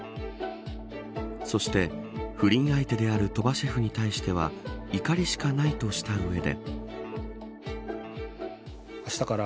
そして不倫相手である鳥羽シェフに対しては怒りしかないとした上で。